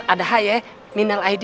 wa'alaikumsalam pak haji